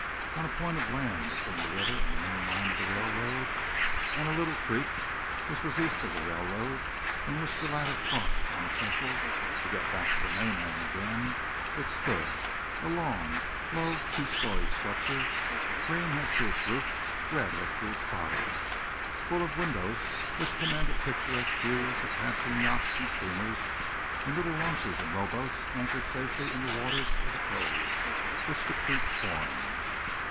On a point of land between the river and the main line of the railroad and a little creek, which was east of the railroad and which the latter crossed on a trestle to get back to the mainland again, it stood, a long, low two storey structure, green as to its roof, red as to its body, full of windows which commanded picturesque views of passing yachts and steamers and little launches and row boats anchored safely in the waters of the cove which the creek formed.